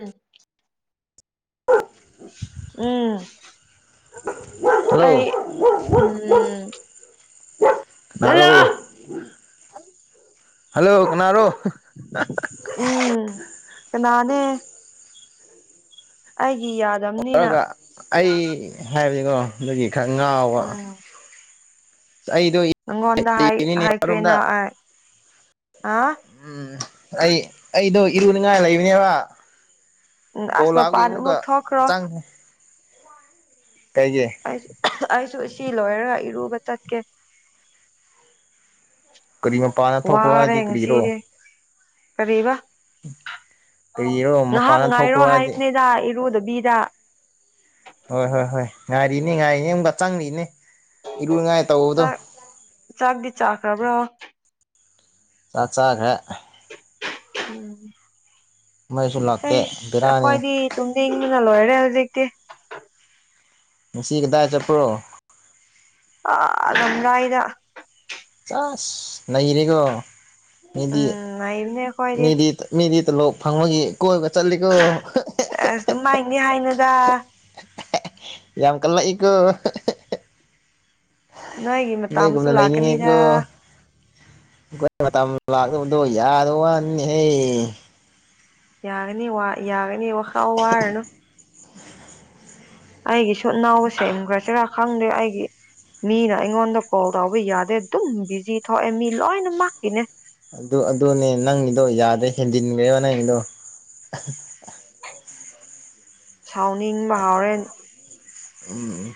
ꯎꯝ ꯎꯝ ꯑꯩ ꯍꯜꯂꯣ ꯎꯝ ꯍꯜꯂꯣ ꯀꯅꯥꯔꯣ ꯍꯜꯂꯣ ꯀꯅꯥꯔꯣ ꯎꯝ ꯀꯅꯥꯅꯦ ꯑꯩꯒꯤ ꯌꯥꯗꯝꯅꯤꯅ ꯇꯧꯔꯒ ꯑꯩ ꯍꯥꯏꯕꯅꯤꯀꯣ ꯑꯗꯨꯒꯤ ꯈꯔ ꯉꯥꯎꯕ ꯎꯝ ꯑꯩꯗꯣ ꯅꯪꯉꯣꯟꯗ ꯍꯥꯏ ꯂꯩꯅꯤꯅꯦ ꯕꯥꯠꯔꯣꯝꯗ ꯍꯥꯏꯈ꯭ꯔꯦꯅ ꯑꯩ ꯑ ꯎꯝ ꯑꯩ ꯑꯩꯗꯣ ꯏꯔꯨꯅꯤꯡꯉꯥꯏ ꯂꯩꯕꯅꯦꯕ ꯎꯝ ꯀꯣ ꯑꯁ ꯂꯥꯞꯄꯒꯤ ꯃꯄꯥꯟ ꯏꯃꯨꯛꯀ ꯑꯃꯨꯛ ꯊꯣꯛꯈ꯭ꯔꯣ ꯆꯪꯕꯅ ꯑꯩ ꯑꯩꯁꯨ ꯁꯤ ꯂꯣꯏꯔꯒ ꯏꯔꯨꯕ ꯆꯠꯀꯦ ꯀꯔꯤ ꯃꯄꯥꯟꯗ ꯊꯣꯛꯈ꯭ꯔꯣ ꯋꯥꯔꯦ ꯍꯥꯏꯗꯤ ꯀꯔꯤꯔꯣ ꯉꯁꯤꯗꯤ ꯀꯔꯤꯕ ꯀꯔꯤꯔꯣ ꯉꯍꯥꯛ ꯃꯄꯥꯟꯗ ꯉꯥꯏꯔꯣ ꯊꯣꯛꯈ꯭ꯔꯣ ꯍꯥꯏꯗꯤ ꯍꯥꯏꯕꯅꯤꯗ ꯏꯔꯨꯗꯣ ꯕꯤꯗ ꯍꯣꯏ ꯍꯣꯏ ꯍꯣꯏ ꯉꯥꯏꯔꯤꯅꯤ ꯉꯥꯏꯔꯤ ꯌꯨꯝꯒ ꯆꯪꯂꯤꯅꯤ ꯏꯔꯨꯅꯤꯡꯉꯥꯏ ꯇꯧꯕꯗꯣ ꯆꯥꯛ ꯆꯥꯛꯗꯤ ꯆꯥꯈ꯭ꯔꯕ꯭ꯔꯣ ꯆꯥꯛ ꯆꯥꯒ꯭ꯔꯦ ꯎꯝ ꯃꯩꯁꯨ ꯂꯥꯛꯇꯦ ꯑꯦꯁ ꯕꯦꯔꯥꯅꯤ ꯑꯩꯈꯣꯏꯗꯤ ꯇꯨꯝꯅꯤꯡꯕꯅ ꯂꯣꯏꯔꯦ ꯍꯧꯖꯤꯛꯇꯤ ꯉꯁꯤ ꯀꯗꯥꯥꯏ ꯆꯄ꯭ꯔꯣ ꯑ ꯔꯥꯝꯔꯩꯗ ꯑꯁ ꯅꯩꯔꯦꯀꯣ ꯃꯤꯗꯤ ꯎꯝ ꯂꯩꯕꯅꯦ ꯑꯩꯈꯣꯏꯗꯤ ꯃꯤꯗꯤ ꯃꯤꯗꯤ ꯇꯣꯂꯣꯛ ꯐꯪꯕꯒꯤ ꯀꯣꯏꯕ ꯆꯠꯂꯤꯀꯣ ꯅꯤ ꯍꯥꯏꯅꯨꯗ ꯌꯥꯝ ꯀꯜꯂꯛꯏꯀꯣ ꯅꯣꯏꯒꯤ ꯃꯇꯝꯁꯨ ꯅꯣꯏꯒꯨꯝꯅ ꯂꯥꯛꯀꯅꯤꯗ ꯂꯩꯅꯤꯡꯉꯦꯀꯣ ꯂꯥꯛꯂꯣꯗꯣ ꯌꯥꯗꯕ ꯋꯥꯅꯤꯅꯦꯍꯦ ꯌꯥꯒꯅꯤ ꯋꯥ ꯌꯥꯒꯅꯤ ꯋꯥ ꯋꯥꯔꯅꯨ ꯑꯩꯒꯤꯁꯨ ꯅꯥꯎꯕ ꯁꯦꯝꯒ꯭ꯔꯁꯤꯔꯥ ꯈꯪꯗꯦ ꯑꯩꯒꯤ ꯃꯤꯅ ꯑꯩꯉꯣꯟꯗ ꯀꯣꯜ ꯇꯧꯕ ꯌꯥꯗꯦ ꯑꯗꯨꯝ ꯕꯤꯖꯤ ꯊꯣꯛꯑꯦ ꯃꯤ ꯂꯣꯏꯅ ꯃꯥꯛꯀꯤꯅꯦ ꯑꯗꯨ ꯑꯗꯨꯅꯦ ꯅꯪꯒꯤꯗꯣ ꯌꯥꯗ꯭ꯔꯦ ꯍꯦꯟꯖꯤꯟꯈ꯭ꯔꯦꯕ ꯅꯪꯗꯣ [inaudible] ꯁꯥꯎꯅꯤꯡꯕ ꯍꯥꯎꯔꯦꯟ ꯎꯝ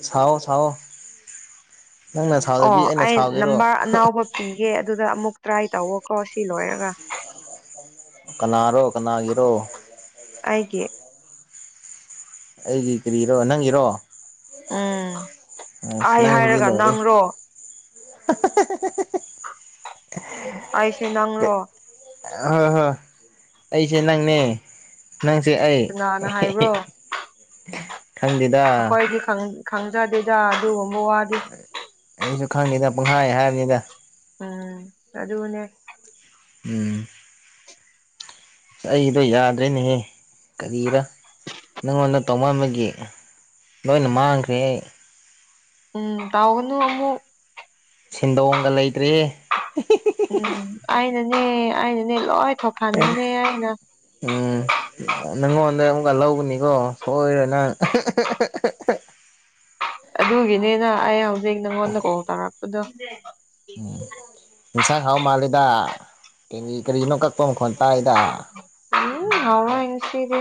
ꯁꯥꯎꯑꯣ ꯁꯥꯎꯑꯣ ꯅꯪꯅ ꯑꯣ ꯁꯥꯎꯗꯕꯤ ꯑꯩꯅ ꯑꯩ ꯁꯥꯎꯒꯦꯔꯣ ꯅꯝꯕꯔ ꯑꯅꯥꯎꯕ ꯄꯤꯒꯦ ꯑꯗꯨꯗ ꯑꯃꯨꯛ ꯇ꯭ꯔꯥꯏ ꯇꯧꯋꯣꯀꯣ ꯁꯤ ꯂꯣꯏꯔꯒ ꯀꯅꯥꯔꯣ ꯀꯅꯥꯒꯤꯔꯣ ꯑꯩꯒꯤ ꯑꯩꯒꯤ ꯀꯔꯤꯔꯣ ꯅꯪꯒꯤꯔꯣ ꯎꯝ ꯑꯁ ꯑꯩ ꯅꯪꯒꯤꯗꯤ ꯍꯥꯏꯔꯒ ꯂꯣꯔꯦ ꯅꯪꯔꯣ ꯍꯥ ꯍꯥ ꯑꯩꯁꯦ ꯅꯪꯔꯣ ꯍꯣꯏ ꯍꯣꯏ ꯑꯩꯁꯦ ꯅꯪꯅꯦ ꯅꯪꯁꯦ ꯑꯩ ꯀꯅꯥꯅ ꯍꯥꯏꯕ꯭ꯔꯣ ꯈꯪꯗꯦꯗ ꯑꯩꯈꯣꯏꯗꯤ ꯈꯪꯖꯗꯦꯗ ꯑꯗꯨꯒꯨꯝꯕ ꯋꯥꯗꯤ ꯑꯩꯁꯨ ꯈꯪꯗꯦꯗ ꯄꯥꯡꯍꯥꯏ ꯍꯥꯏꯕꯅꯤꯗ ꯎꯝ ꯑꯗꯨꯅꯦ ꯎꯝ ꯑꯩꯗꯣ ꯌꯥꯗ꯭ꯔꯦꯅꯦꯍꯦ ꯀꯔꯤꯔ ꯅꯪꯉꯣꯟꯗ ꯇꯧ ꯃꯥꯟꯕꯒꯤ ꯂꯣꯏꯅ ꯃꯥꯡꯈ꯭ꯔꯦ ꯑꯩ ꯎꯝ ꯇꯥꯎꯅꯨ ꯑꯃꯨꯛ ꯁꯦꯟꯗꯣꯡꯒ ꯂꯩꯇ꯭ꯔꯤ ꯎꯝ ꯑꯩꯅꯅꯦ ꯑꯩꯅꯅꯦ ꯂꯣꯏ ꯊꯣꯍꯟꯕꯅꯦ ꯑꯩꯅ ꯎꯝ ꯅꯪꯉꯣꯟꯗ ꯑꯃꯨꯛꯀ ꯂꯧꯕꯅꯤꯀꯣ ꯁꯣꯏꯔꯅ ꯑꯍ-ꯑꯍ-ꯑꯍ ꯑꯗꯨꯒꯤꯅꯤꯅ ꯑꯩ ꯍꯧꯖꯤꯛ ꯅꯉꯣꯟꯗ ꯀꯣꯜ ꯇꯧꯔꯛꯄꯗꯣ ꯎꯝ ꯌꯦꯟꯁꯥꯡ ꯍꯥꯎ ꯃꯥꯜꯂꯤꯗ ꯀ꯭ꯔꯤ ꯀ꯭ꯔꯤꯅꯣ ꯀꯛꯄ ꯃꯈꯣꯜ ꯇꯥꯏꯗ ꯎꯝ ꯍꯥꯎꯔꯣꯏ ꯉꯁꯤꯗꯤ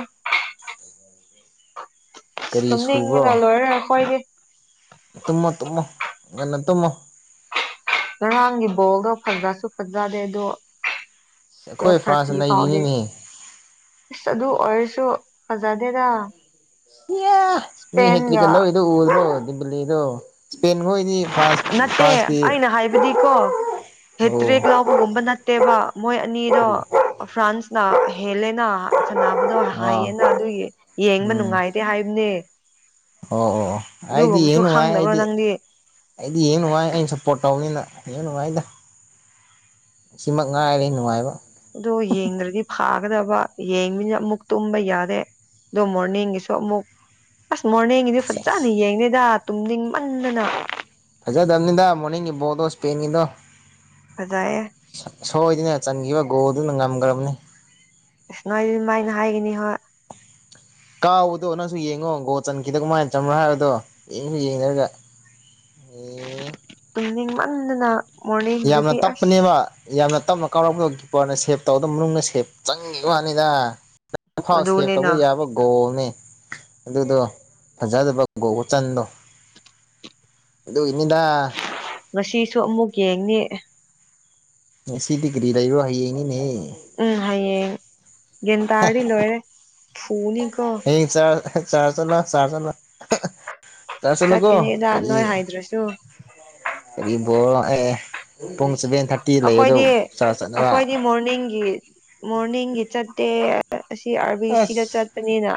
ꯀꯔꯤ ꯇꯨꯝꯅꯤꯡꯕꯅ ꯁꯨꯕ꯭ꯔꯣ ꯂꯣꯏꯔꯦ ꯑꯈꯣꯏꯗꯤ ꯇꯨꯝꯃꯣ ꯇꯨꯝꯃꯣ ꯉꯟꯅ ꯇꯨꯝꯃꯣ ꯉꯔꯥꯡꯒꯤ ꯕꯣꯜꯗꯣ ꯐꯖꯁꯨ ꯐꯖꯗꯦ ꯑꯗꯣ ꯑꯩꯈꯣꯏ ꯇꯨꯋꯦꯜꯐ ꯐ꯭ꯔꯥꯟꯁ ꯊꯥꯔꯇꯤ ꯐꯥꯎꯗꯤ ꯅꯩꯔꯤꯅꯤꯅꯦ ꯏꯁ ꯑꯗꯨ ꯑꯣꯏꯔꯁꯨ ꯐꯖꯥꯗꯦꯗ ꯏꯌꯥ ꯃꯤ ꯍꯦꯇ꯭ꯔꯤꯀ ꯂꯧꯏꯗꯣ ꯎꯗ꯭ꯔꯣ ꯗꯤꯕꯂꯤꯗꯣ ꯏꯁꯄꯦꯟ ꯍꯣꯏꯗꯤ ꯅꯠꯇꯦ ꯑꯩꯅ ꯍꯥꯏꯕꯗꯤꯀꯣ ꯑꯣ ꯍꯦꯇ꯭ꯔꯦꯛ ꯂꯥꯎꯕꯒꯨꯝꯕ ꯅꯠꯇꯦꯕ ꯃꯣꯏ ꯑꯅꯤꯗꯣ ꯀꯔꯤ ꯐ꯭ꯔꯥꯟꯁ ꯅ ꯍꯦꯜꯂꯦꯅ ꯁꯥꯟꯅꯕꯗꯣ ꯑꯥ ꯍꯌꯦꯅ ꯑꯗꯨꯒꯤ ꯌꯦꯡꯕ ꯎꯝ ꯅꯨꯡꯉꯥꯏꯇꯦ ꯍꯥꯏꯕꯅꯦ ꯑꯣ ꯑꯣ ꯑꯣ ꯑꯩꯗꯤ ꯑꯗꯨꯒꯨꯝꯕꯁꯨ ꯌꯦꯡ ꯅꯨꯡꯉꯥꯏ ꯈꯪꯗꯕ꯭ꯔꯣ ꯑꯩꯗꯤ ꯅꯪꯗꯤ ꯑꯩꯗꯤ ꯌꯦꯡ ꯅꯨꯡꯉꯥꯏ ꯑꯩꯅ ꯁꯞꯄꯣꯔꯠ ꯇꯧꯕꯅꯤꯅ ꯌꯦꯡ ꯅꯨꯡꯉꯥꯏꯗ ꯁꯤꯃꯛ ꯉꯥꯏꯔꯦ ꯅꯨꯡꯉꯥꯏꯕ ꯑꯗꯣ ꯌꯦꯡꯗ꯭ꯔꯗꯤ ꯐꯥ ꯒꯗꯕ ꯌꯦꯡꯃꯤꯅ ꯑꯃꯨꯛ ꯇꯨꯝꯕ ꯌꯥꯗꯦ ꯑꯗꯣ ꯃꯣꯔꯅꯤꯡꯒꯤꯁꯨ ꯑꯃꯨꯛ ꯑꯁ ꯃꯣꯔꯅꯤꯡꯒꯤꯗꯤ ꯐꯖꯅ ꯌꯦꯡꯗꯦꯗ ꯇꯨꯝꯅꯤꯡꯃꯟꯗꯅ ꯐꯖꯗꯕꯅꯤꯗ ꯃꯣꯔꯅꯤꯡꯒꯤ ꯕꯣꯜꯗꯣ ꯏꯁ꯭ꯄꯦꯟꯒꯤꯗꯣ ꯐꯖꯌꯦ ꯁꯣꯏꯗꯅ ꯆꯟꯒꯤꯕ ꯒꯣꯜꯗꯨꯅ ꯉꯝꯒ꯭ꯔꯝꯅꯤ ꯏꯁ ꯅꯣꯏꯗꯤ ꯗꯨꯃꯥꯏꯅ ꯍꯥꯏꯒꯅꯤ ꯍꯣꯏ ꯀꯥꯎꯕꯗꯣ ꯅꯪꯁꯨ ꯌꯦꯡꯉꯣ ꯒꯣꯟꯆꯟꯈꯤꯗꯣ ꯀꯃꯥꯏ ꯆꯟꯕ꯭ꯔꯣ ꯍꯥꯏꯕꯗꯣ ꯌꯦꯡꯁꯨ ꯌꯦꯡꯗ꯭ꯔꯒ ꯇꯨꯝꯅꯤꯡꯃꯟꯗꯅ ꯌꯥꯝꯅ ꯃꯣꯔꯅꯤꯡꯒꯤꯗꯗꯤ ꯑꯁ ꯇꯞꯄꯅꯦꯕ ꯌꯥꯝꯅ ꯇꯞꯅ ꯀꯥꯎꯔꯛꯄꯗꯣ ꯀꯤꯞꯄꯔꯅ ꯁꯦꯞ ꯇꯧꯕꯗ ꯃꯅꯨꯡꯗ ꯁꯦꯞ ꯆꯪꯒꯤꯋꯥꯅꯤꯗ ꯐꯥꯎ ꯁꯦꯚ ꯑꯗꯨꯅꯤꯅ ꯇꯧꯕ ꯌꯥꯕ ꯒꯣꯜꯅꯦ ꯑꯗꯨꯗꯣ ꯐꯖꯗꯕ ꯒꯣꯜ ꯆꯟꯗꯣ ꯑꯗꯨꯒꯤ ꯉꯁꯤꯁꯨ ꯑꯃꯨꯛ ꯌꯦꯡꯅꯤ ꯉꯁꯤꯗꯤ ꯒ꯭ꯔꯤ ꯂꯩꯕ꯭ꯔꯣ ꯍꯥꯌꯦꯡꯅꯤꯅꯦ ꯎꯝ ꯍꯌꯦꯡ ꯌꯦꯟꯗꯥꯔꯗꯤ ꯂꯣꯏꯔꯦ ꯐꯨꯅꯤꯀꯣ ꯍꯌꯦꯡ ꯆꯥꯔ -ꯍ - ꯆꯥꯔ ꯆꯠꯂꯣ ꯆꯥꯔ ꯆꯠꯂ ꯍ ꯑ ꯆꯥꯔꯁ ꯆꯠꯂꯣꯀꯣ ꯆꯠꯀꯅꯤꯗ ꯀꯔꯤ ꯅꯣꯏ ꯍꯥꯏꯗ꯭ꯔꯁꯨ ꯀꯔꯤ ꯕꯣꯜ ꯂꯥ ꯑꯦ ꯄꯨꯡ ꯁꯚꯦꯟ ꯊꯥꯔꯇꯤ ꯂꯩꯕꯗꯣ ꯑꯩꯈꯣꯏꯗꯤ ꯆꯥꯔꯆ ꯆꯠꯔꯥ ꯑꯩꯈꯣꯏꯗꯤ ꯃꯣꯔꯅꯤꯡꯒꯤ ꯃꯣꯔꯅꯤꯡꯒꯤ ꯆꯠꯇꯦ ꯑꯁꯤ ꯑꯥꯔꯕꯤ ꯁꯤꯗ ꯑꯁ ꯆꯠꯄꯅꯤꯅ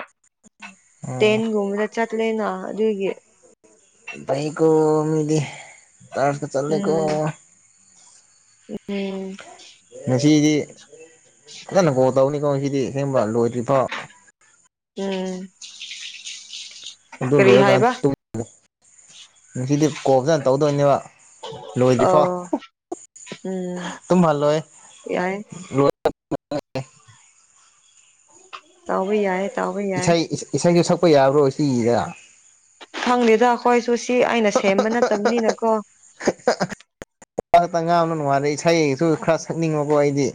ꯎꯝ ꯇꯦꯟꯒꯨꯝꯕꯗ ꯆꯠꯂꯦꯅ ꯗꯨꯒꯤ ꯐꯩꯀꯣ ꯃꯤꯗꯤ ꯆꯥꯔꯁꯀꯥ ꯆꯠꯂꯦꯀꯣ ꯎꯝ ꯎꯝ ꯁꯤꯗꯤ ꯐꯖꯅ ꯒꯣꯜ ꯇꯧꯅꯤꯀꯣ ꯁꯤꯗꯤ ꯁꯦꯡꯕ ꯂꯣꯏꯗ꯭ꯔꯤꯐꯥꯎ ꯎꯝ ꯑꯗꯨ ꯀꯔꯤ ꯂꯣꯏꯔ ꯀꯥꯟ ꯍꯥꯏꯕ ꯇꯨꯝꯃꯨ ꯁꯤꯗꯤ ꯀꯣ ꯐꯖꯅ ꯇꯧꯗꯣꯏꯅꯦꯕ ꯑ ꯂꯣꯏꯗ꯭ꯔꯤꯐꯥꯎ ꯎꯝ ꯇꯝꯍꯜ ꯂꯣꯏ ꯌꯥꯏ [unintelligible] ꯇꯧꯕ ꯌꯥꯢꯌꯦ ꯏꯁꯩ ꯏꯁꯩꯁꯨ ꯁꯛꯄ ꯌꯥꯕ꯭ꯔꯣ ꯁꯤꯖꯤꯗ ꯈꯪꯗꯦꯗ ꯑꯩꯈꯣꯏꯁꯨ ꯁꯤ ꯑꯩꯅ ꯁꯦꯝꯕ ꯅꯠꯇꯕꯅꯤꯅꯀꯣ ꯋꯥꯈꯜ ꯈꯔ ꯉꯥꯎꯅ [unintelligible] ꯅꯨꯡꯉꯥꯏꯔꯦ ꯏꯁꯩꯁꯨ ꯈꯔ ꯁꯛꯅꯤꯡꯉꯕꯣ ꯑꯩꯗꯤ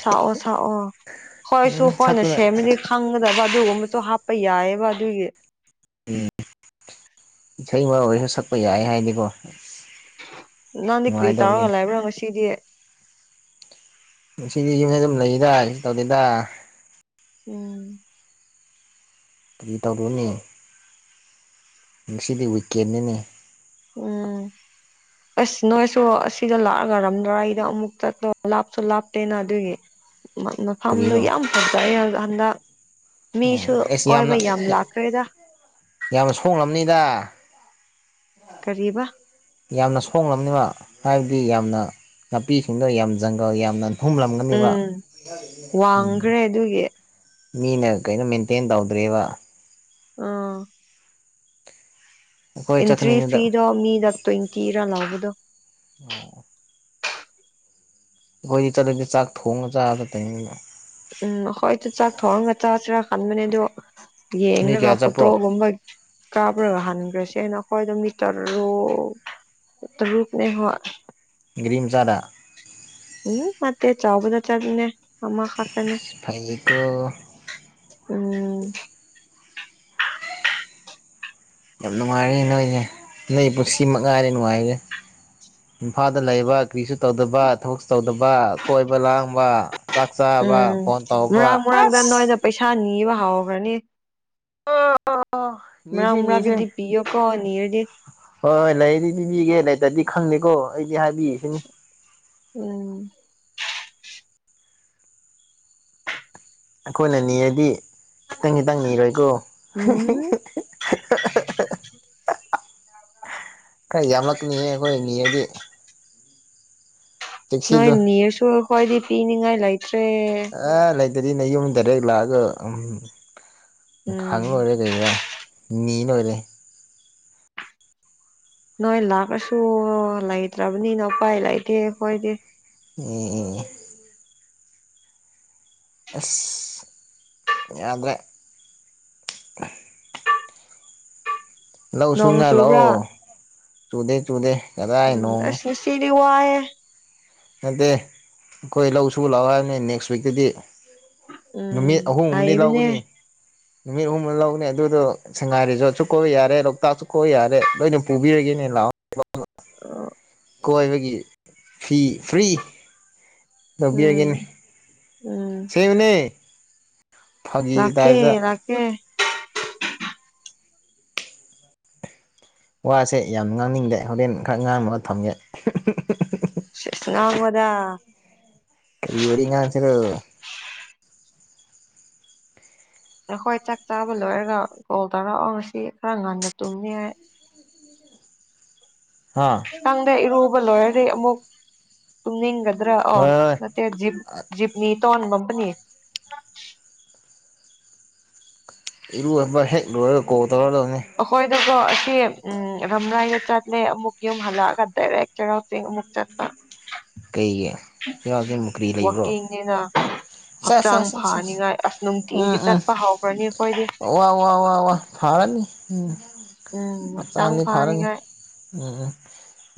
ꯁꯛꯑꯣ ꯁꯛꯑꯣ ꯍꯣꯏꯁꯨ ꯎꯝ ꯍꯣꯏꯅ ꯁꯛꯇꯅ ꯁꯦꯝꯃꯤꯗꯤ ꯈꯪꯒꯗꯕ ꯑꯗꯨꯒꯨꯝꯕꯁꯨ ꯍꯥꯞꯄ ꯌꯥꯏꯌꯦꯕ ꯑꯗꯨꯒꯤ ꯎꯝ ꯏꯁꯩ ꯑꯣꯏꯔꯁꯨ ꯁꯛꯄ ꯌꯥꯏ ꯍꯥꯏꯗꯤꯀꯣ ꯅꯪꯗꯤ ꯀ꯭ꯔꯤ ꯅꯨꯡꯉꯥꯏꯗꯧꯕꯅꯤ ꯇꯧꯔꯒ ꯂꯕ꯭ꯔꯥ ꯉꯁꯤꯗꯤ ꯉꯁꯤꯗꯤ ꯌꯨꯝꯗ ꯑꯗꯨꯝ ꯂꯩꯑꯗ ꯀꯩꯁꯨ ꯇꯧꯗꯦꯗ ꯎꯝ ꯀꯔꯤ ꯇꯧꯔꯨꯅꯤ ꯉꯁꯤꯗꯤ ꯋꯤꯀꯦꯟꯅꯤꯅꯦ ꯎꯝ ꯑꯁ ꯅꯣꯏꯁꯨ ꯑꯁꯤꯗ ꯂꯥꯛꯑꯒ ꯔꯝꯂꯥꯏꯗ ꯑꯃꯨꯛ ꯆꯠꯄ ꯂꯥꯞꯁꯨ ꯂꯥꯞꯄꯦꯅ ꯑꯗꯨꯒꯤ ꯃ ꯃꯐꯝꯗꯨ ꯀꯔꯤꯔꯣ ꯌꯥꯝ ꯐꯖꯩꯌꯦ ꯍꯟꯗꯛ ꯑꯣ ꯃꯤꯁꯨ ꯑꯦꯁ ꯀꯣꯏꯕ ꯌꯥꯝꯅ ꯌꯥꯝ ꯂꯥꯛꯈ꯭ꯔꯦꯗ ꯌꯥꯝꯅ ꯁꯣꯡꯂꯝꯅꯤ ꯗ ꯀꯔꯤꯕ ꯌꯥꯝꯅ ꯁꯣꯡꯂꯝꯅꯤꯕ ꯍꯥꯏꯕꯗꯤ ꯌꯥꯝꯅ ꯅꯥꯄꯤꯁꯤꯡꯗ ꯌꯥꯝ ꯖꯪꯒꯜ ꯌꯥꯝꯅ ꯍꯨꯝꯂꯝꯒꯅꯤꯕ ꯎꯝ ꯎꯝ ꯋꯥꯡꯈ꯭ꯔꯦ ꯑꯗꯨꯒꯤ ꯃꯤꯅ ꯀꯩꯅꯣ ꯃꯦꯟꯇꯦꯟ ꯇꯧꯗ꯭ꯔꯦꯕ ꯎꯝ ꯑꯩꯈꯣꯏ ꯑꯦꯟꯇ꯭ꯔꯤ ꯆꯠꯀꯅꯤꯗꯨꯗ ꯐꯤꯗꯣ ꯃꯤꯗ ꯇ꯭ꯋꯦꯟꯇꯤꯔ ꯂꯒꯗꯣ ꯑꯣ ꯈꯣꯏꯗꯤ ꯆꯠꯂꯗꯤ ꯆꯥꯛ ꯊꯣꯡꯉ ꯆꯥꯕ ꯇꯥꯏꯃꯤꯡ ꯎꯝ ꯑꯈꯣꯏꯁꯨ ꯆꯥꯛ ꯊꯣꯡꯉ ꯆꯥꯁꯤꯔ ꯈꯟꯕꯅꯦ ꯑꯗꯨ ꯃꯤ ꯌꯦꯡꯒ ꯀꯌꯥ ꯆꯠꯄ꯭ꯔꯣ ꯐꯣꯇꯣꯒꯨꯝꯕ ꯀꯥꯞ꯭ꯔꯒ ꯍꯟꯈ꯭ꯔꯁꯦ ꯑꯩꯈꯣꯏꯗꯣ ꯃꯤꯇꯔꯨꯛ ꯇꯔꯨꯛꯅꯦ ꯍꯣꯏ ꯒꯔꯤꯝꯆꯥꯗ ꯎ ꯃꯦ ꯆꯥꯕꯖꯥ ꯆꯥꯅꯦ ꯑꯃ ꯈꯥꯇꯅꯤ ꯐꯩꯀꯣ ꯎꯝ ꯌꯥꯝ ꯅꯨꯡꯉꯥꯏꯔꯦ ꯅꯣꯏꯖꯦ ꯅꯣꯏ ꯄꯨꯟꯁꯤ ꯃꯉꯥꯏꯔꯦ ꯅꯨꯡꯉꯥꯏꯔꯤꯖꯦ ꯏꯝꯐꯥꯜꯗ ꯂꯩꯕ ꯀ꯭ꯔꯤꯁꯨ ꯇꯧꯗꯕ ꯊꯕꯛꯁꯨ ꯇꯧꯗꯕ ꯀꯣꯏꯕ ꯂꯥꯡꯕ ꯆꯥꯛ ꯆꯥꯕ ꯎꯝ ꯐꯣꯟ ꯇꯧꯕ ꯃꯔꯥꯛ ꯃꯔꯥꯛꯇ ꯅꯣꯏꯗ ꯑꯁ ꯄꯩꯁꯥ ꯅꯤꯕ ꯍꯧꯈ꯭ꯔꯅꯤ ꯃꯔꯛ ꯅꯤꯁꯦ ꯅꯤꯁꯦ ꯃꯔꯛꯇꯗꯤ ꯄꯤꯌꯣꯀꯣ ꯅꯤꯔꯗꯤ ꯍꯣꯏ ꯂꯩꯗꯤ ꯄꯤꯕꯤꯒꯦ ꯂꯩꯇꯗꯤ ꯈꯪꯗꯦꯀꯣ ꯑꯩꯗꯤ ꯍꯥꯏꯕꯤꯔꯤꯁꯤꯅꯤ ꯎꯝ ꯑꯩꯈꯣꯏꯅ ꯅꯤꯔꯗꯤ ꯈꯤꯇꯪ ꯈꯤꯇꯪ ꯅꯤꯔꯣꯏꯀꯣ ꯎꯝ ꯈꯔ ꯌꯥꯝꯂꯛꯅꯤꯌꯦ ꯑꯩꯈꯣꯏꯅꯤꯔꯗꯤ ꯅꯣꯏ ꯅꯤꯔꯁꯨ ꯑꯩꯈꯣꯏꯗꯤ ꯄꯤꯅꯤꯡꯉꯥꯏ ꯂꯩꯥꯛꯇ꯭ꯔꯦ ꯑꯗꯨꯗꯗꯤ ꯅꯌꯨꯝ ꯗꯥꯏꯔꯦꯛ ꯂꯥꯛꯑꯒ ꯎꯝ ꯈꯪꯉꯔꯣꯏꯔꯦ ꯀꯩꯔꯣ ꯅꯤꯔꯣꯏꯔꯦ ꯅꯣꯏ ꯂꯥꯛꯔꯁꯨ ꯂꯩꯇ꯭ꯔꯕꯅꯤꯅ ꯎꯄꯥꯏ ꯂꯩꯇꯦ ꯑꯩꯈꯣꯏꯗꯤ ꯑꯦ ꯑꯦ ꯑꯁ ꯌꯥꯗꯔꯦ ꯂꯧ ꯅꯣꯡ ꯁꯨꯅꯔꯣ ꯆꯨꯕ꯭ꯔꯥ ꯇꯨꯗꯦ ꯇꯨꯗꯦ ꯎꯝ ꯑꯁ ꯉꯁꯤꯗꯤ ꯋꯥꯌꯦ ꯅꯠꯇꯦ ꯑꯩꯈꯣꯏ ꯂꯧ ꯁꯨꯕ ꯂꯥꯛꯑꯣ ꯍꯥꯏꯕꯅꯤ ꯅꯦꯛꯁ ꯋꯤꯛꯇꯗꯤ ꯅꯨꯃꯤꯠ ꯎꯝ ꯑꯍꯨꯝꯗꯤ ꯍꯥꯏꯕꯅꯦ ꯂꯧꯒꯅꯤ ꯅꯨꯃꯤꯠ ꯑꯍꯨꯝ ꯂꯧꯒꯅꯤ ꯑꯗꯨꯗꯣ ꯁꯉꯥꯏ ꯔꯤꯁꯦꯔꯇꯁꯨ ꯀꯣꯏ ꯌꯥꯔꯦ ꯂꯣꯛꯇꯥꯛꯁꯨ ꯀꯣꯏ ꯌꯥꯔꯦ ꯂꯣꯏꯅ ꯄꯨꯕꯤꯔꯒꯦꯅꯦ ꯂꯥꯛꯑꯣ ꯑ ꯀꯣꯏꯕꯒꯤ ꯐꯤ ꯐ꯭ꯔꯤ ꯎꯝ ꯂꯧꯕꯤꯔꯒꯅꯤ ꯎꯝ ꯁꯦꯡꯕꯅꯦ ꯂꯥꯛꯀꯦ ꯂꯥꯛꯀꯦ ꯋꯥꯁꯦ ꯌꯥꯝ ꯉꯥꯡꯅꯤꯡꯗꯦ ꯍꯣꯔꯦꯟ ꯈꯔ ꯉꯥꯡꯅꯕꯒ ꯊꯝꯒꯦ ꯎꯝ ꯍꯨ ꯎꯝ ꯍꯨ ꯁꯦꯁ ꯉꯥꯡꯉꯣꯗꯥ ꯀꯔꯤ ꯋꯥꯔꯤ ꯉꯥꯡꯁꯤꯔꯣ ꯅꯈꯣꯏ ꯆꯥꯛ ꯆꯥꯕ ꯂꯣꯏꯔꯒ ꯀꯣꯜ ꯇꯧꯔꯛꯑꯣ ꯉꯁꯤ ꯈꯔ ꯉꯟꯅ ꯇꯨꯝꯅꯤ ꯍꯥꯏ ꯍꯥ ꯈꯪꯗꯦ ꯏꯔꯨꯕ ꯂꯣꯏꯔꯗꯤ ꯑꯃꯨꯛ ꯇꯨꯝꯅꯤꯡꯒ ꯒꯗ꯭ꯔ ꯑꯣ ꯍꯣꯏ ꯍꯣꯏ ꯅꯠꯇꯦ ꯖꯤꯞ ꯖꯞꯅꯤꯇꯣꯟ ꯕꯝꯄꯅꯤ ꯏꯔꯨꯕ ꯍꯦꯛ ꯂꯣꯏꯔ ꯀꯣꯜ ꯇꯧꯔꯗꯕꯅꯦ ꯑꯈꯣꯏꯗꯀꯣ ꯎꯝ ꯔꯝꯔꯥꯏꯗ ꯆꯠꯂꯦ ꯑꯃꯨꯛ ꯌꯨꯝ ꯍꯜꯂꯒ ꯗꯥꯏꯔꯦꯛ ꯆꯩꯔꯥꯎ ꯆꯤꯡ ꯑꯃꯨꯛ ꯆꯠꯄ ꯀꯩꯒꯤ ꯏꯁꯦ [unintelligible] ꯀ꯭ꯔꯤ ꯂꯩꯕ꯭ꯔꯣ ꯋꯥꯛꯀꯤꯡꯅꯤꯅ ꯁꯥ ꯁꯥ ꯍꯛꯆꯥꯡ ꯁꯥ ꯁꯥ ꯁꯥ ꯐꯥꯅꯤꯉꯥꯏ ꯑꯁ ꯎꯝ ꯅꯨꯡꯇꯤꯒꯤ ꯎꯝ ꯆꯠꯄ ꯍꯧꯈ꯭ꯔꯅꯤ ꯑꯩꯈꯣꯏꯗꯤ ꯋꯥ ꯋꯥ ꯋꯥ ꯋꯥ ꯍꯅꯤ ꯎꯝ ꯍꯛꯆꯥꯡ ꯐꯅꯤꯉꯥꯏ ꯎꯝ ꯎꯝ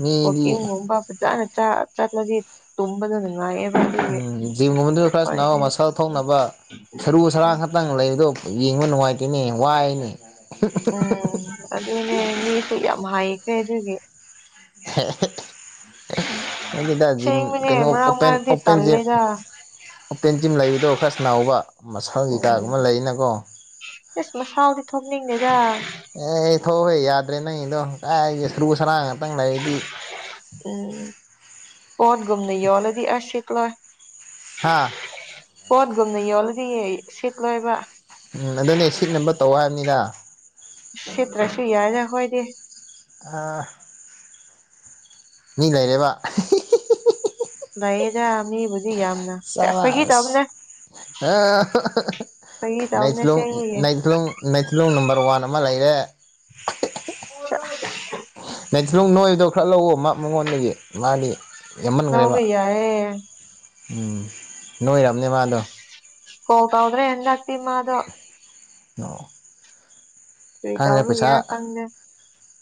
ꯃꯤꯗꯤ ꯋꯥꯛꯀꯤꯡꯒꯨꯝꯕ ꯐꯖꯅ ꯆ ꯆꯠꯂꯗꯤ ꯇꯨꯝꯝꯕꯗ ꯅꯨꯡꯉꯥꯏ ꯎꯝ ꯖꯤꯝꯒꯨꯝꯕꯗꯨ ꯈꯔ ꯁꯥꯟꯅꯋꯣ ꯃꯁꯜ ꯊꯣꯛꯅꯕ ꯁꯔꯨ ꯎꯝ ꯁꯔꯥꯡ ꯈꯛꯇꯪ ꯂꯩ ꯑꯗꯣ ꯌꯦꯡꯕ ꯅꯨꯡꯉꯥꯏꯇꯦꯅꯦ ꯋꯥꯏꯅꯦ ꯎꯝ ꯑꯗꯨꯅꯦ ꯃꯤꯁꯨ ꯌꯥꯝ ꯍꯥꯏꯈ꯭ꯔꯦ ꯑꯗꯨꯒꯤ ꯍꯦ ꯍꯦ ꯖꯤꯝ ꯑꯁꯦꯡꯕꯅꯦ ꯀꯩꯅꯣ ꯃꯔꯛ ꯑꯣꯄꯦꯟ ꯃꯔꯛꯇꯤ ꯑꯣꯄꯦꯟ ꯖꯤꯝ ꯇꯜꯂꯦꯗ ꯑꯣꯄꯦꯟ ꯖꯤꯝ ꯂꯩꯕꯗꯣ ꯈꯔ ꯁꯅꯥꯎꯕ ꯃꯁꯜ ꯀꯩꯀꯥꯒꯨꯝꯕ ꯂꯩꯔꯤꯅꯀꯣ ꯏꯁꯁ ꯃꯁꯥꯜꯗꯤ ꯊꯣꯛꯝꯅꯤꯡꯗꯦꯖ ꯑꯦ ꯑꯩ ꯊꯣꯛꯎꯍꯦ ꯌꯥꯗ꯭ꯔꯦ ꯅꯪꯒꯤꯗꯣ ꯀꯥꯏꯒꯤ ꯁꯔꯨ ꯁꯔꯥꯡ ꯉꯥꯛꯇꯪ ꯂꯩꯗꯤ ꯄꯣꯠ ꯒꯨꯝꯅ ꯌꯣꯜꯂꯗꯤ ꯑ ꯁꯤꯠꯂꯣꯏ ꯍꯥꯥ ꯄꯣꯠꯒꯨꯝꯅ ꯌꯣꯜꯂꯗꯤ ꯁꯤꯠꯂꯣꯏꯕ ꯎꯝ ꯑꯗꯨꯅꯦ ꯁꯤꯠꯅꯕ ꯇꯧ ꯍꯥꯏꯕꯅꯤꯗ ꯁꯤ ꯇ꯭ꯔꯁꯤ ꯌꯥꯏꯗ ꯍꯣꯏꯗꯤ ꯑꯥ ꯃꯤ ꯂꯩꯔꯦꯕ ꯑ ꯍꯤ ꯍꯤ ꯍꯤ ꯍꯤ ꯂꯩꯌꯦꯗ ꯃꯤꯕꯨ ꯆꯕꯥꯁ ꯑ ꯑꯍꯥ ꯍꯥ ꯍꯥ ꯐꯥꯒꯤ ꯇꯧꯕꯅꯦ ꯅꯩꯊ꯭ꯂꯨꯡ ꯑꯁꯦꯡꯕꯒꯤ ꯅꯩꯊ꯭ꯂꯨꯡ ꯅꯩꯊ꯭ꯂꯨꯡ ꯅꯝꯕꯔ ꯋꯥꯟ ꯑꯃ ꯂꯩꯔꯦ ꯁꯤꯑꯥꯁ ꯅꯩꯊ꯭ꯂꯨꯡ ꯅꯣꯏꯗꯣ ꯈꯔ ꯂꯧꯋꯣ ꯃꯥ ꯃꯉꯣꯟꯗꯒꯤ ꯃꯥꯗꯤ ꯌꯥꯝꯃꯟꯈ꯭ꯔꯦꯕ ꯉꯎꯕ ꯌꯥꯔꯦ ꯎꯝ ꯅꯣꯏꯔꯕꯅꯦ ꯃꯥꯗꯣ ꯀꯣꯀꯥꯎꯗ꯭ꯔꯦ ꯍꯟꯗꯛꯇꯤ ꯃꯥꯗꯣ ꯑꯣ ꯀ꯭ꯔꯤ ꯈꯪꯗ꯭ꯔꯦ ꯇꯧꯕꯩꯔꯥ ꯄꯩꯁꯥ ꯈꯪꯗꯦ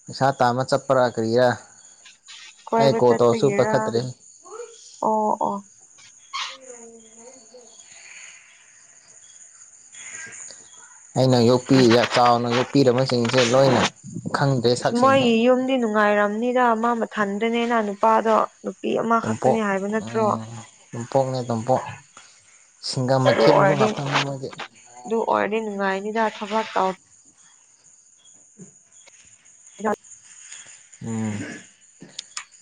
ꯄꯩꯁꯥ ꯇꯥꯟꯕ ꯆꯠꯄꯔ ꯀ꯭ꯔꯤꯔ ꯑꯩ ꯀꯣꯏꯕ ꯀꯣꯜ ꯇꯧꯔꯁꯨ ꯆꯠꯄꯒꯤꯔ ꯄꯥꯏꯈꯇ꯭ꯔꯩ ꯑꯣ ꯑꯣ ꯑꯩꯅ ꯌꯣꯛꯄꯤ ꯆꯥꯎꯅ ꯌꯣꯛꯄꯤꯔꯝꯕꯁꯤꯡꯁꯦ ꯂꯣꯏꯅ ꯈꯪꯗ꯭ꯔꯦ ꯑꯁ ꯃꯣꯏ ꯁꯛꯁꯤꯡꯁꯦ ꯌꯨꯝꯗꯤ ꯅꯨꯡꯉꯥꯏꯔꯝꯅꯤꯗ ꯃꯥ ꯃꯊꯟꯗꯅꯤꯅ ꯅꯨꯄꯥꯗꯣ ꯅꯨꯄꯤ ꯑꯃꯈꯛꯇꯅꯤ ꯇꯣꯝꯄꯣꯛ ꯍꯥꯏꯕ ꯅꯠꯇ꯭ꯔꯣ ꯎꯝ ꯇꯣꯝꯄꯣꯛꯅꯦ ꯇꯣꯝꯄꯣꯛ ꯁꯤꯡꯒꯝ ꯑꯗꯨ ꯃꯩꯈꯦꯠ ꯃꯔꯨ ꯑꯣꯔꯗꯤ ꯉꯥꯛꯇꯅꯤ ꯃꯣꯏꯗꯤ ꯑꯗꯨ ꯑꯣꯔꯗꯤ ꯅꯨꯡꯉꯥꯏꯅꯤꯗ ꯊꯕꯛ ꯇꯧ [inaudible] [unintelligible] ꯎꯝ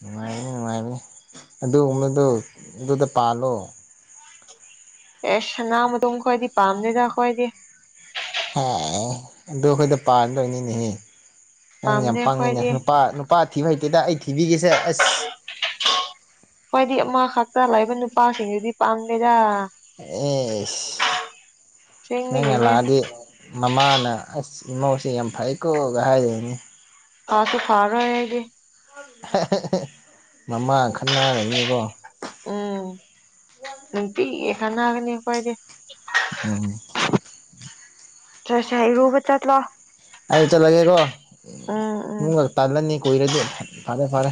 ꯅꯨꯡꯉꯥꯏꯕꯅꯤ ꯅꯨꯡꯉꯥꯏꯕꯅꯤ ꯑꯗꯨꯒꯨꯝꯕꯗꯨ ꯑꯗꯨꯗ ꯄꯥꯜꯂꯣ ꯑꯦ ꯁꯅꯥ ꯃꯇꯨꯝ ꯈꯣꯏꯗꯤ ꯄꯥꯝꯗꯦꯗ ꯑꯩꯈꯣꯏꯗꯤ ꯍ ꯑꯗꯨꯈꯣꯏꯗ ꯄꯟꯗꯣꯏꯅꯤ ꯅꯦ ꯅꯪ ꯌꯥꯝ ꯄꯥꯝꯗꯦ ꯄꯪꯉꯤꯗ ꯑꯩꯈꯣꯏꯗꯤ ꯅꯨꯄꯥ ꯅꯨꯄꯥ ꯊꯤꯕ ꯍꯩꯇꯦꯗ ꯑꯩ ꯊꯤꯕꯤꯒꯦꯁꯦ ꯑꯁ ꯑꯩꯈ꯭ꯣꯏꯗꯤ ꯑꯃ ꯈꯛꯇ ꯂꯩꯕ ꯅꯨꯄꯥꯁꯤꯡꯗꯨꯗꯤ ꯄꯥꯝꯗꯦꯗ ꯑꯣ ꯅꯪꯅ ꯑꯁꯦꯡꯕꯒꯤꯅꯦ ꯂꯥꯛꯑꯗꯤ ꯃꯃꯥꯅ ꯑꯁ ꯏꯃꯥꯁꯤ ꯌꯥꯝ ꯐꯩꯌꯦꯀꯣ ꯀ ꯍꯥꯏꯗꯣꯏꯅꯤ ꯐꯥꯁꯨ ꯐꯥꯔꯣ ꯑꯩꯗꯤ ꯃꯃꯥꯒ ꯈꯟꯅꯔꯅꯤꯀꯣ ꯋꯥ ꯈꯠꯅꯥꯒꯅꯤ ꯑꯩꯈꯣꯏꯗꯤ ꯎꯝ ꯇꯔꯁꯥ ꯏꯔꯨꯕ ꯆꯠꯂꯣ ꯑꯩ ꯆꯠꯂꯒꯦꯀꯣ ꯎꯝ ꯎꯝ ꯅꯪ ꯇꯜꯂꯅꯤ ꯀꯣꯏꯔꯗꯤ ꯐꯔꯦ ꯐꯔꯦ